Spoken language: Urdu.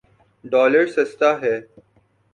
ڈالر سستا ہے۔